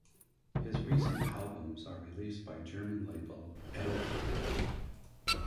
His recent albums are released by German label, Edel Records.